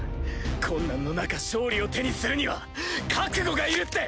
困難の中勝利を手にするには覚悟がいるって！